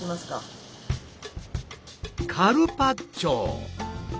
カルパッチョ！